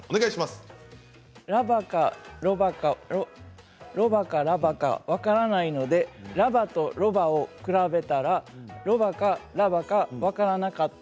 ラバかロバかラバかロバかロバかラバか分からないのでラバとロバを比べたらロバかラバか分からなかった。